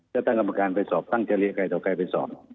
ถ้าตั้งกรรมการไปสอบตั้งจะเรียกใครต่อใครไปสอบ